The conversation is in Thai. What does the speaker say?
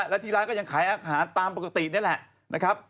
และที่ร้านก็ยังขายอาหารตามปกตินี่แหละนะครับ